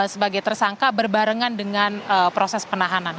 sebagai tersangka berbarengan dengan proses penahanan